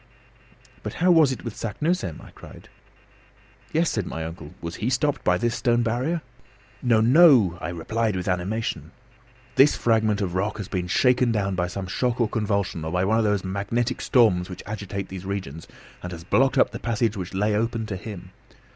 "But how was it with Saknussemm?" I cried. "Yes," said my uncle, "was he stopped by this stone barrier?" "No, no," I replied with animation. "This fragment of rock has been shaken down by some shock or convulsion, or by one of those magnetic storms which agitate these regions, and has blocked up the passage which lay open to him.